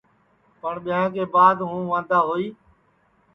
پٹؔ ٻیاں کے بعد ہوں واندا ہوئی